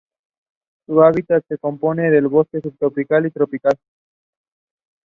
Marie Booth Russell was born in Brooklyn.